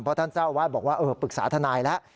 เพราะท่านเจ้าอาวาสบอกว่าปรึกษาทนายแล้ว